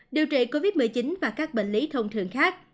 điều trị covid một mươi chín và các bệnh lý thông thường khác